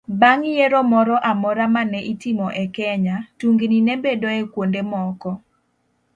Bang' yiero moro amora ma ne itimo e Kenya, tungni ne bedoe kuonde moko